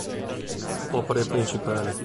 Opere principali.